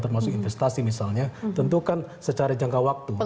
termasuk investasi misalnya tentu kan secara jangka waktu